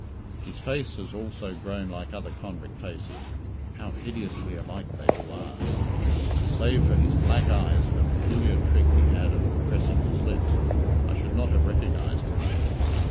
His face has also grown like other convict faces how hideously alike they all are! and, save for his black eyes and a peculiar trick he had of compressing his lips, I should not have recognized him.